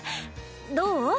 どう？